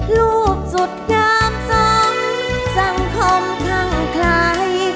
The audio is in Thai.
รูปสุดกรรมสมสังคมพรั่งไข